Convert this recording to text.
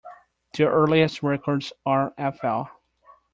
The earliest records are fl.